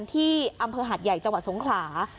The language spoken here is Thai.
ที่อำเภอหาดใหญ่จังหวัดสงขลา